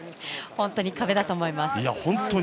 本当に壁だと思います。